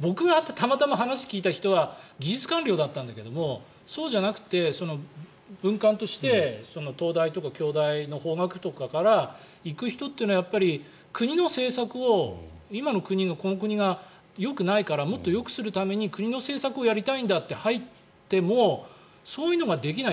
僕が会ってたまたま話を聞いた人は技術官僚だったんだけどそうじゃなくて文官として東大とか京大の法学部とかから行く人っていうのは国の政策を今の国のこの国がよくないからもっとよくするために国の政府をやりたいんだって入ってもそういうのができない。